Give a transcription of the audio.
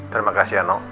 terima kasih ya nak